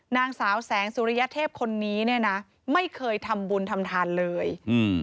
นางสาวแสงสุริยเทพคนนี้เนี่ยนะไม่เคยทำบุญทำทานเลยอืม